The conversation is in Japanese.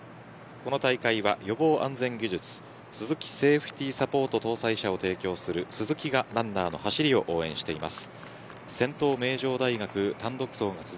この大会は予防安全技術スズキセーフティサポート搭載車を提供するスズキがランナーの走りを応援しています。